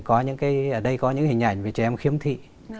ở đây có những hình ảnh về trẻ em khiếm thị